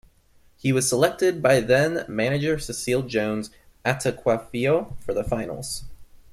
He was selected by then manager Cecil Jones Attuquayefio for the finals.